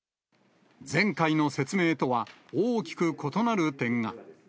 前回の説明とは大きく異なる点が。